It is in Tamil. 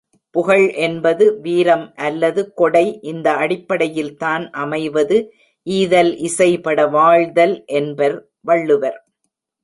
புகழ் என்பது வீரம் அல்லது கொடை இந்த அடிப்படையில்தான் அமைவது ஈதல் இசைபட வாழ்தல் என்பர் வள்ளுவர்.